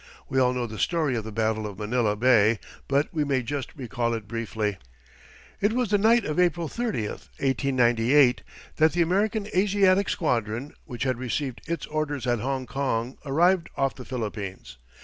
We all know the story of the battle of Manila Bay, but we may just recall it briefly. It was the night of April 30, 1898, that the American Asiatic squadron, which had received its orders at Hongkong, arrived off the Philippines.